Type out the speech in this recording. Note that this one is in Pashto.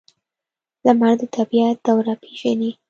لمر د طبیعت دوره پیژني.